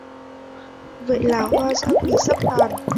Vậy thì hoa dã quỳ sắp tàn